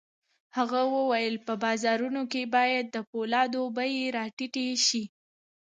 هغه وویل په بازارونو کې باید د پولادو بيې را ټیټې شي